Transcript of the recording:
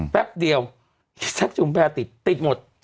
แป๊บเดียวชักจุ่มแพร่ติดติดหมด